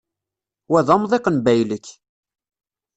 Wa d amḍiq n baylek.